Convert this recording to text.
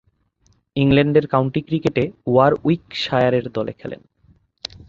ইংল্যান্ডের কাউন্টি ক্রিকেটে ওয়ারউইকশায়ারের দলে খেলেন।